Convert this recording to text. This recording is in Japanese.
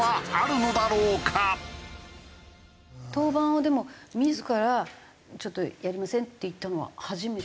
登板をでも自らちょっと「やりません」と言ったのは初めて。